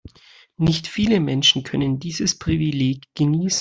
Nicht viele Menschen können dieses Privileg genießen.